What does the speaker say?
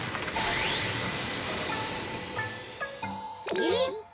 えっ。